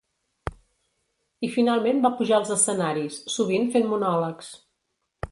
I finalment va pujar als escenaris, sovint fent monòlegs.